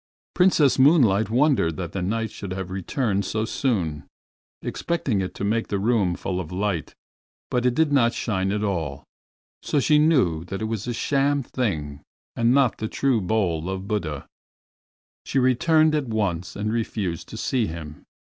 Princess Moonlight wondered that the Knight should have returned so soon. She took the bowl from its gold wrapping, expecting it to make the room full of light, but it did not shine at all, so she knew that it was a sham thing and not the true bowl of Buddha. She returned it at once and refused to see him.